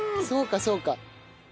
そうかそうか。